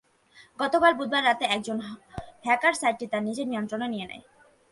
গতকাল বুধবার রাতে একজন হ্যাকার সাইটটি তাঁর নিজের নিয়ন্ত্রণে নিয়ে নেয়।